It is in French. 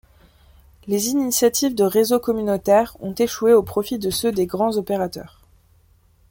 Les initiatives de réseaux communautaires ont échoué au profit de ceux des grands opérateurs.